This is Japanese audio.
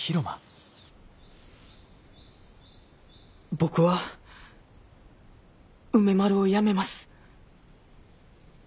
僕は梅丸をやめます。